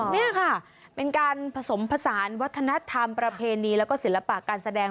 นี่ค่ะเป็นการผสมผสานวัฒนธรรมประเพณีแล้วก็ศิลปะการแสดง